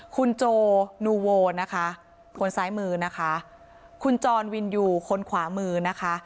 คุณโจนูโวนะคะคนซ้ายมือนะคะคุณจรวินยูคนขวามือนะคะ